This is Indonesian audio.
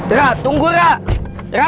raya tunggu raya